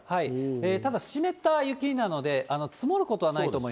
ただ、湿った雪なので、積もることはないと思います。